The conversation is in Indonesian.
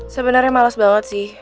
sebenernya males banget sih